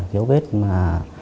điều vết mà